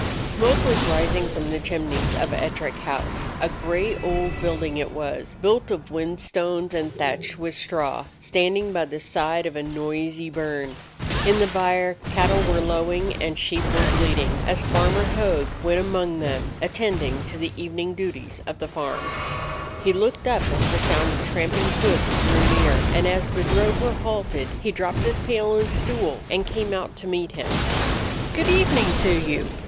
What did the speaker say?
Smoke was rising from the chimneys of Ettrick House. A gray old building it was, built of whin stones and thatched with straw, standing by the side of a noisy burn. In the byre cattle were lowing and sheep were bleat ing as Farmer Hogg went among them, attending to the evening duties of the farm. 57 DOG HEROES OF MANY LANDS He looked up as the sound of tramping hoofs drew near, and as the drover halted he dropped his pail and stool and came out to meet him. "Good evening to you.